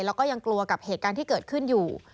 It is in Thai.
แล้วก็ยังกลัวกับเหตุการณ์ที่เกิดขึ้นอยู่